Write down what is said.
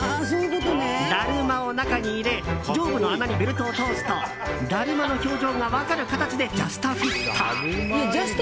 だるまを中に入れ上部の穴にベルトを通すとだるまの表情が分かる形でジャストフィット。